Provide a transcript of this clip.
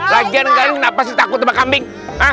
ragian kalian kenapa sih takut sama kambing